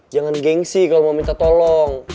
jangan gengsi kalau mau minta tolong